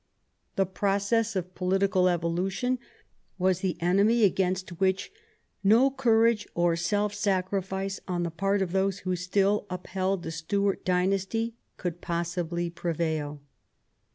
The proc ess of political evolution was the enemy against which no courage or self sacrifice on the part of those who still upheld the Stuart dynasty could possibly prevail.